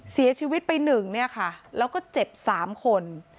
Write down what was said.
เสียชีวิตไป๑เนี่ยค่ะแล้วก็เจ็บ๓คน